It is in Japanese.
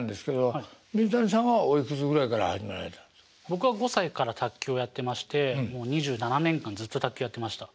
僕は５歳から卓球をやってましてもう２７年間ずっと卓球やってました。